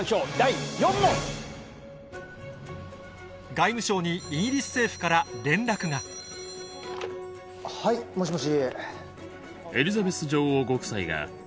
外務省にイギリス政府から連絡がはいもしもし。